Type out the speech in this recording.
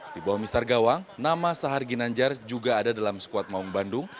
di bawah mister gawang nama sahar ginanjar juga ada dalam skuad maung bandung